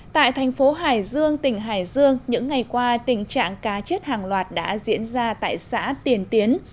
tại thành phố hải dương tỉnh hải dương những ngày qua tình trạng cá chết hàng loạt đã diễn ra tại xã tiền tiến